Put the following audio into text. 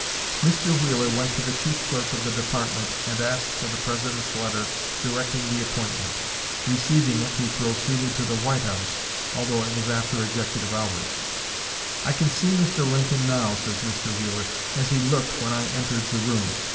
Mr. Wheeler went to the chief clerk of the department, and asked for the President's letter directing the appointment. Receiving it, he proceeded to the White House, although it was after executive hours. "I can see Mr. Lincoln now," says Mr. Wheeler, "as he looked when I entered the room.